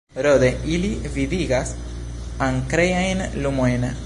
Rode, ili vidigas ankrejajn lumojn.